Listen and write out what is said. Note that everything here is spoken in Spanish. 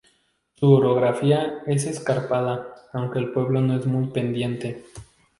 Su orografía es escarpada aunque el pueblo no es muy pendiente.